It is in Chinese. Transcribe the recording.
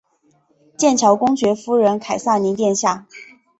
剑桥公爵夫人凯萨琳殿下。